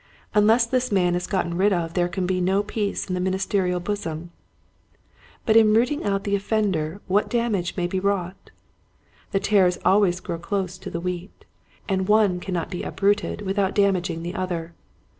Unless this man is got ten rid of there can be no peace in the ministerial bosom. But in rooting out the offender what damage may be wrought. The tares always grow close to the wheat, and one cannot be uprooted without dam aging the other.